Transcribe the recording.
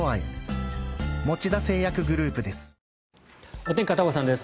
お天気、片岡さんです。